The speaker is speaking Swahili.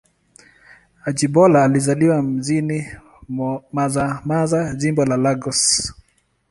Ajibola alizaliwa mjini Mazamaza, Jimbo la Lagos.